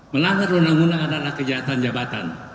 melanggar undang undang adalah kejahatan jabatan